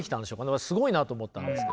私すごいなと思ったんですけど。